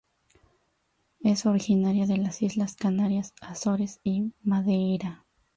Es originaria de las Islas Canarias, Azores, y Madeira.